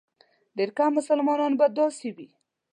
ډېر کم مسلمانان به داسې وي.